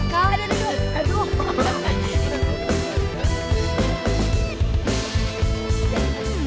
kau ada di sini